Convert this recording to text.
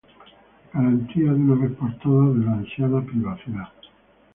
garantía de una vez por todas, de la ansiada privacidad